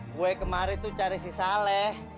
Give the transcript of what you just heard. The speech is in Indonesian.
gue kemarin tuh cari si saleh